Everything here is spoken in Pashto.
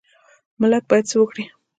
ملت باید څه وکړي؟